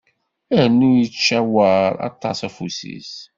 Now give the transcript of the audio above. Rnu, yettcawar aṭas afus-is.